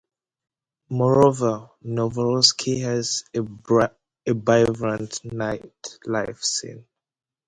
Moreover, Novorossiysk has a vibrant nightlife scene.